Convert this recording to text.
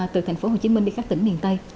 từ thành phố hồ chí minh đi các tỉnh miền tây